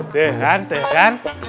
tuh kan tuh kan